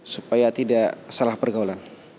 supaya tidak salah pergaulan